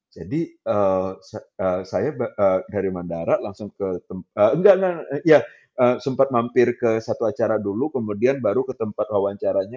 jadi saya dari mendarat langsung enggak ya sempat mampir ke satu acara dulu kemudian baru ke tempat wawancaranya